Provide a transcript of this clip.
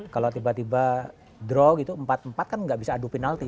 kalau tiba tiba draw gitu empat empat kan nggak bisa adu penalti